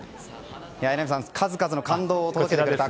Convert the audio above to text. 榎並さん、数々の感動を届けられました。